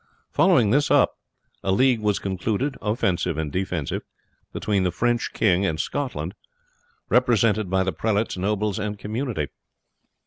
Following this up, a league was concluded, offensive and defensive, between the French king and Scotland, represented by the prelates, nobles, and community.